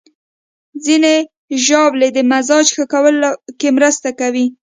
ځینې ژاولې د مزاج ښه کولو کې مرسته کوي.